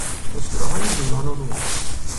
اسطورههای یونان و روم